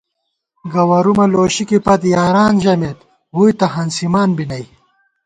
گوَرُومہ لوشِکےپت یاران ژَمېت، ووئی تہ ہنسِمان بی نئ